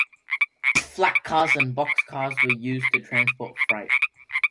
Flatcars and box cars were used to transport freight.